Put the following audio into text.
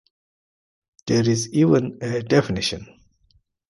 There is even a definition.